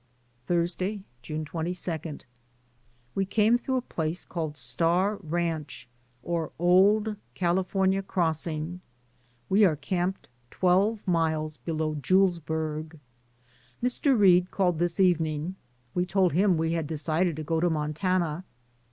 Thursday, June 22. We came through a place called Star Ranch, or Old California Crossing. We are camped twelve miles below Julesburgh. Mr. Reade called this evening; we told him we had decided to go to Montana.